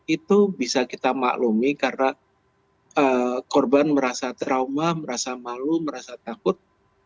itu bisa kita maklumi karena korban merasa trauma merasa malu merasa takut